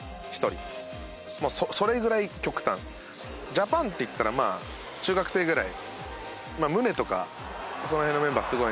ジャパンっていったらまあ中学生ぐらい。